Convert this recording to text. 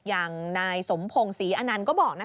อย่างนายสมพงศรีอนันต์ก็บอก